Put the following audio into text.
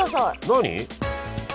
何？